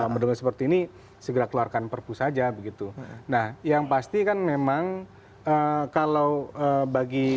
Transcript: mendengar seperti ini segera keluarkan perpu saja begitu nah yang pasti kan memang kalau bagi